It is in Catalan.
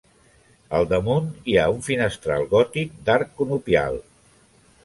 Al damunt hi ha un finestral gòtic d'arc conopial.